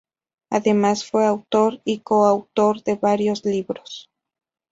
Además fue autor y coautor de varios libros.